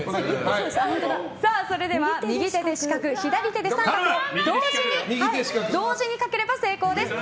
それでは右手で四角左手で三角を同時に描ければ成功です。